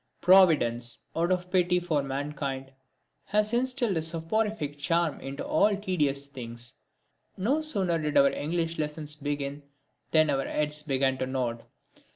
Providence, out of pity for mankind, has instilled a soporific charm into all tedious things. No sooner did our English lessons begin than our heads began to nod.